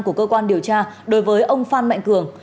của cơ quan điều tra đối với ông phan mạnh cường